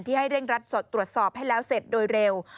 ให้เร่งรัดสดให้แล้วเสร็จโดยเร็ว